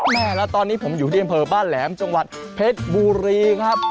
แม่แล้วตอนนี้ผมอยู่ที่อำเภอบ้านแหลมจังหวัดเพชรบุรีครับ